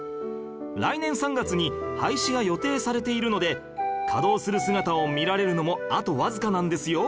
来年３月に廃止が予定されているので稼働する姿を見られるのもあとわずかなんですよ